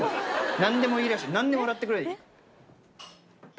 何でもいいらしい何でも笑ってくれる。